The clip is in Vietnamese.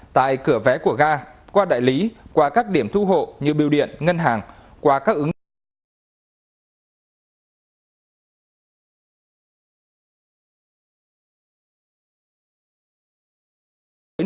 tại cửa vé của ga qua đại lý qua các điểm thu hộ như biêu điện ngân hàng qua các ứng dụng